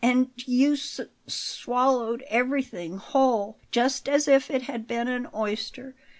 "And you s s swallowed everything whole; just as if it had been an oyster.